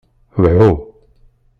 Wɛu.